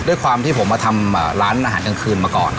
ด้วยความที่ผมมาทำร้านอาหารกลางคืนมาก่อน